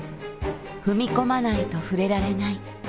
踏み込まないと触れられない。